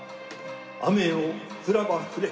雨よ降らば降れ。